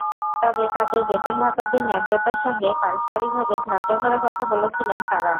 তবে তাঁদের বেতন-ভাতাদি ন্যায্যতার সঙ্গে পারস্পরিকভাবে ধার্য করার কথা বলেছিলেন তাঁরা।